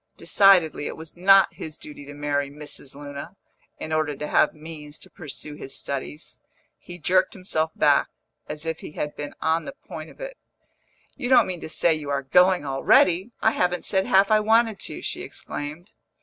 Decidedly, it was not his duty to marry Mrs. Luna, in order to have means to pursue his studies; he jerked himself back, as if he had been on the point of it. "You don't mean to say you are going already? I haven't said half I wanted to!" she exclaimed.